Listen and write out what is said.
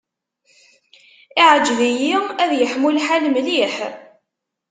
Iεǧeb-iyi ad yeḥmu lḥal mliḥ.